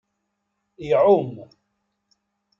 Iɛum.